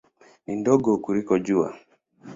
Ni ndogo kuliko Jua.